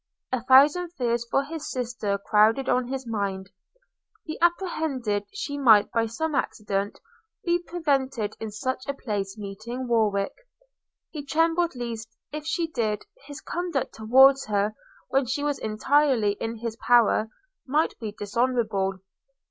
A thousand fears for his sister crowded on his mind; he apprehended she might by some accident be prevented in such a place meeting Warwick; he trembled lest, if she did, his conduct towards her, when she was entirely in his power, might be dishonourable.